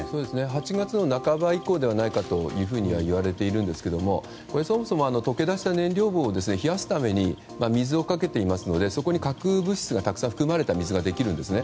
８月の半ば以降ではないかといわれていますがそもそも溶け出した燃料棒を冷やすために水をかけていますのでそこに核物質がたくさん含まれた水ができるんですね。